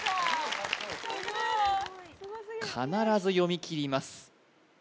必ず読み切ります